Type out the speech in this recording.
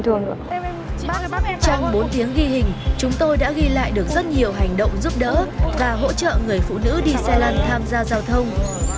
trong bốn tiếng ghi hình chúng tôi đã ghi lại được rất nhiều hành động giúp đỡ và hỗ trợ người phụ nữ đi xe lăn tham gia giao thông